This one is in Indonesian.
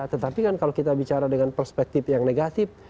tetapi kan kalau kita bicara dengan perspektif yang negatif